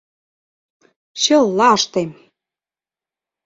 Чыла ыштем!..